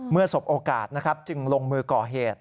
เมื่อสมโอกาสจึงลงมือก่อเหตุ